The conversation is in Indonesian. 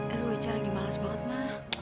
aduh wicca lagi males banget ma